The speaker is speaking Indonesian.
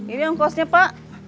ini eongkosnya pak